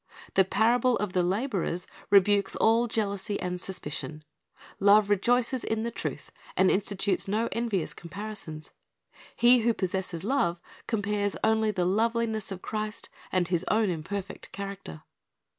The parable of the laborers rebukes all jealousy and suspicion. Love rejoices in the truth, and institutes no envious comparisons. He who possesses love, compares only the loveliness of Christ and his own imperfect character.